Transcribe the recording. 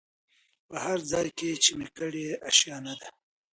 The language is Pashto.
په هرځای کي چي مي کړې آشیانه ده